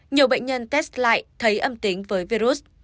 nhiều bệnh nhân test lại thấy âm tính với virus